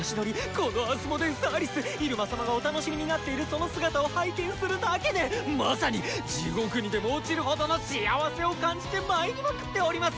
このアスモデウス・アリス入間様がお楽しみになっているその姿を拝見するだけでまさに地獄にでも墜ちるほどの幸せを感じてまいりまくっております！